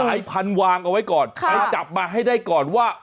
ไอ้พันวางเอาไว้ก่อนไปจับมาให้ได้ก่อนว่า